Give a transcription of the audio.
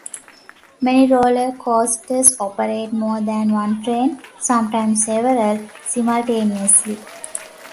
Many roller coasters operate more than one train, sometimes several, simultaneously.